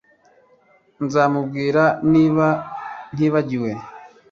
Nzamubwira niba ntibagiwe